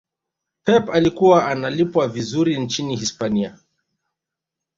pep alikuwa analipwa vizuri nchini hispania